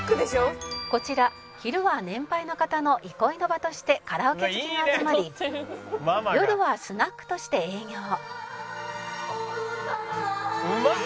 「こちら昼は年配の方の憩いの場としてカラオケ好きが集まり夜はスナックとして営業」「うまっ！」